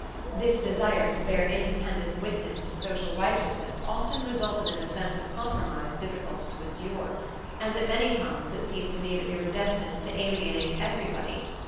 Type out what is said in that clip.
This desire to bear independent witness to social righteousness often resulted in a sense of compromise difficult to endure, and at many times it seemed to me that we were destined to alienate everybody.